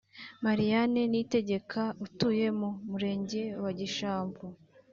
Mariane Niyitegeka utuye mu murenge wa Gishamvu